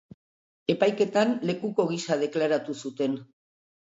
Epaiketan, lekuko gisa deklaratu zuten.